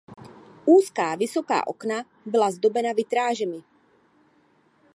Úzká vysoká okna byla zdobena vitrážemi.